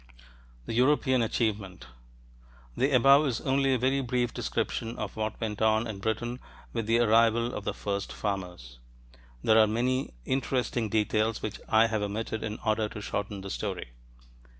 THE EUROPEAN ACHIEVEMENT The above is only a very brief description of what went on in Britain with the arrival of the first farmers. There are many interesting details which I have omitted in order to shorten the story.